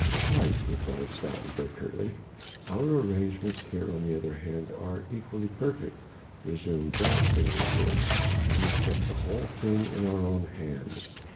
"Quite," replied Stoutenburg curtly. "Our arrangements here on the other hand are equally perfect," resumed Beresteyn eagerly, "we have kept the whole thing in our own hands